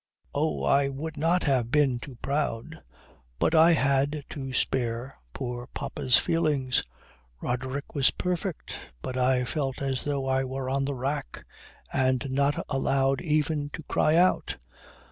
Oh! I would not have been too proud. But I had to spare poor papa's feelings. Roderick was perfect, but I felt as though I were on the rack and not allowed even to cry out.